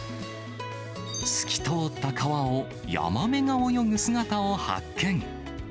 透き通った川をヤマメが泳ぐ姿を発見。